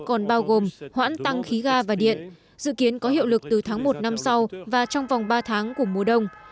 còn bao gồm hoãn tăng khí ga và điện dự kiến có hiệu lực từ tháng một năm sau và trong vòng ba tháng của mùa đông